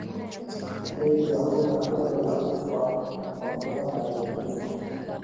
Dalili za homa ya bonde la ufa kwa mnyama aliyekufa